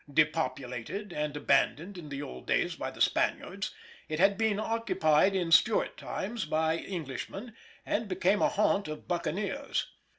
Depopulated and abandoned in the old days by the Spaniards, it had been occupied in Stuart times by Englishmen, and became a haunt of buccaneers.